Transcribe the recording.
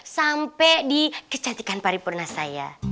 sampai di kecantikan paripurna saya